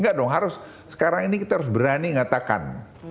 nggak dong harus sekarang ini kita harus berani ngatakan